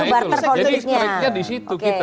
itu barter politiknya